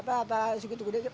pak segini segini segini